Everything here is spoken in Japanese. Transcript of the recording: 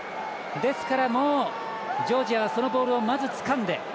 ですから、もうジョージアはそのボールをまずつかんで。